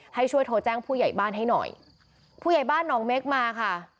ให้ช่วยโทรแจ้งผู้ใหญ่บ้านให้หน่อยผู้ใหญ่บ้านหนองเม็กมาค่ะ